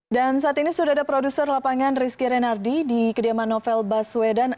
dan saat ini sudah ada produser lapangan rizky renardi di kediaman novel baswedan